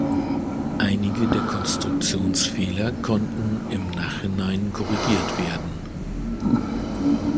Einige der Konstruktionsfehler konnten im Nachhinein korrigiert werden.